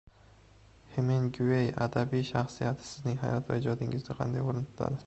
Heminguey adabiy shaxsiyati sizning hayot va ijodingizda qanday o‘rin tutadi?